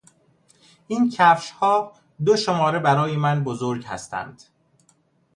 این کفشها دو شماره برای من بزرگ هستند.